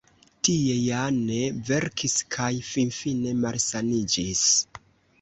Tie Jane verkis kaj finfine malsaniĝis.